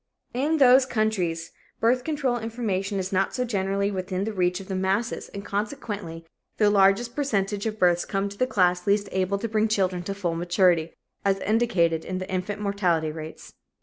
In these countries, birth control information is not so generally within the reach of the masses and, consequently, the largest percentage of births come to that class least able to bring children to full maturity, as indicated in the infant mortality rates.